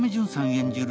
演じる